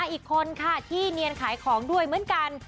อีกคนค่ะที่เนียนขายของด้วยเหมือนกัน